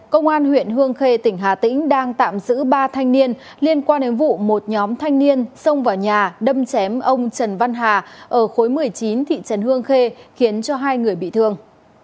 công an huyện hương khê tỉnh hà tĩnh đang tạm giữ ba thanh niên liên quan đến vụ một nhóm thanh niên xông vào nhà đâm chém ông trần văn hà ở khối một mươi chín thị trấn hương khê khiến cho hai người bị thương